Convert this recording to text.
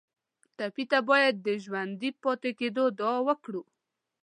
ټپي ته باید د ژوندي پاتې کېدو دعا وکړو.